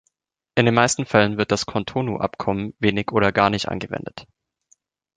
In den meisten Fällen wird das Cotonou-Abkommen wenig oder gar nicht angewendet.